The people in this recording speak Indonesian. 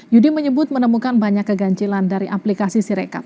yudi menyebut menemukan banyak keganjilan dari aplikasi sirekap